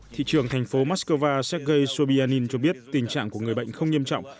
thị trường thành phố mắc cơ va sergei sobyanin cho biết tình trạng của người bệnh không nghiêm trọng